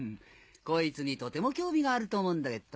こいつにとても興味があると思うんだけっど。